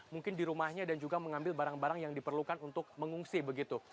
mungkin di rumahnya dan juga mengambil barang barang yang diperlukan untuk mengungsi begitu